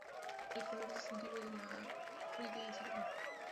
El color distintivo de la cofradía es el rojo.